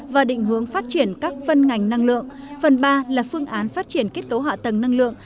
và định hướng phát triển các phân ngành năng lượng phần ba là phương án phát triển kết cấu hạ tầng năng lượng